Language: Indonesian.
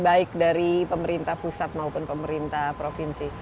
baik dari pemerintah pusat maupun pemerintah provinsi